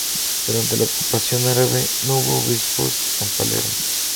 Durante la ocupación árabe, no hubo obispos en Palermo.